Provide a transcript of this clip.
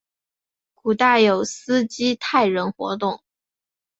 古代有斯基泰人活动。